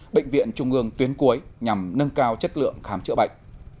bệnh viện trung ương tuyến cuối nhằm nâng cao chất lượng khám chữa bệnh